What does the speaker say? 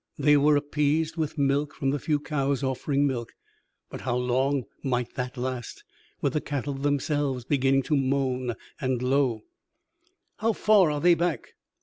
They were appeased with milk from the few cows offering milk; but how long might that last, with the cattle themselves beginning to moan and low? "How far are they back?"